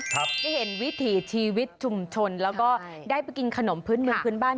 ได้เห็นวิถีชีวิตชุมชนแล้วก็ได้ไปกินขนมพื้นเมืองพื้นบ้าน